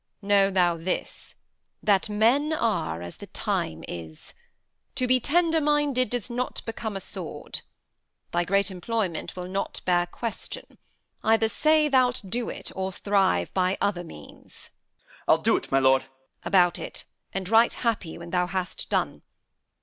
Know thou this, that men Are as the time is. To be tender minded Does not become a sword. Thy great employment Will not bear question. Either say thou'lt do't, Or thrive by other means. Capt. I'll do't, my lord. Edm. About it! and write happy when th' hast done.